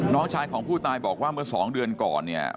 น้องชายของผู้ตายบอกว่าเมื่อ๒เดือนก่อนเนี่ย